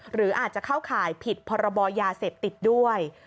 หรืออาจจะเข้าข่ายผิดพรบยาเสพติดด้วย